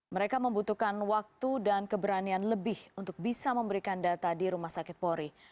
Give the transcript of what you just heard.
mereka membutuhkan waktu dan keberanian lebih untuk bisa memberikan data di rumah sakit polri